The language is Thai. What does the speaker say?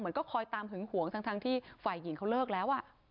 ก็คอยตามหึงหวงทั้งที่ฝ่ายหญิงเขาเลิกแล้ว